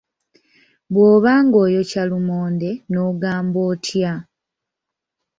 Bw'oba ng’oyokya lumonde n’ogamba otya?